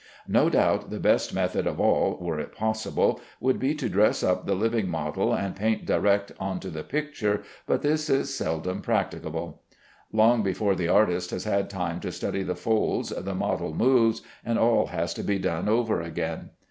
No doubt the best method of all (were it possible) would be to dress up the living model and paint direct on to the picture, but this is seldom practicable. Long before the artist has had time to study the folds, the model moves, and all has to be done over again.